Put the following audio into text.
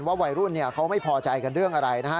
วัยรุ่นเขาไม่พอใจกันเรื่องอะไรนะฮะ